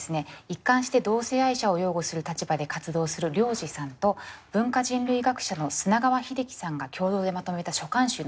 一貫して同性愛者を擁護する立場で活動するＲＹＯＪＩさんと文化人類学者の砂川秀樹さんが共同でまとめた書簡集なんですね。